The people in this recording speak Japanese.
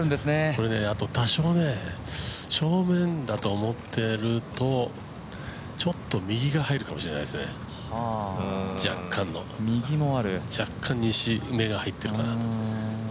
これね、あとね、多少正面と思っているとちょっと右が入るかもしれないです、若干西目が入ってるかな。